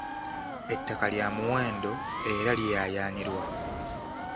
Ettaka lya muwendo era liyaayaanirwa.